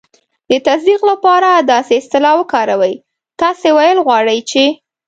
د تصدیق لپاره داسې اصطلاح وکاروئ: "تاسې ویل غواړئ چې..."